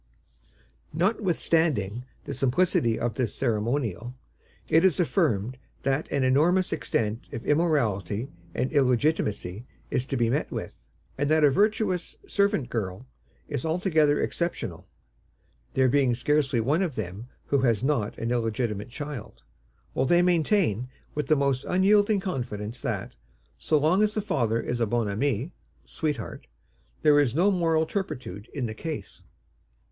Notwithstanding the simplicity of this ceremonial, it is affirmed that an enormous extent of immorality and illegitimacy is to be met with, and that a virtuous servant girl is altogether exceptional, there being scarcely one of them who has not an illegitimate child, while they maintain with the most unyielding confidence that, so long as the father is a bon ami (sweetheart), there is no moral turpitude in the case.